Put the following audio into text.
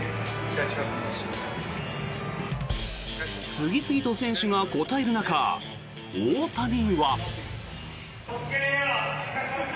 次々と選手が答える中大谷は。